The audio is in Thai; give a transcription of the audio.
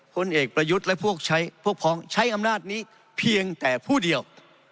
ผลเอกประยุทธ์และพวกใช้พวกพ้องใช้อำนาจนี้เพียงแต่ผู้เดียว